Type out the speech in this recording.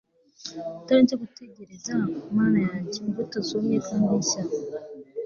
utarinze gutegereza, mana yanjye, imbuto zumye kandi nshya